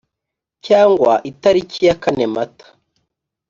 cyangwa itariki ya kane mata